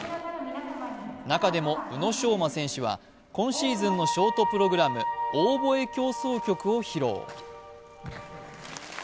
中でも宇野昌磨選手は今シーズンのショートプログラム、「オーボエ協奏曲」を披露。